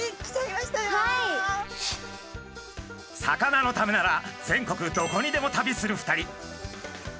魚のためなら全国どこにでも旅する２人。